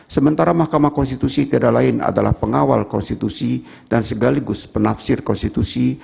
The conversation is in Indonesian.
sementara mahkamah konstitusi tidak lain adalah pengawal konstitusi dan segaligus penafsir konstitusi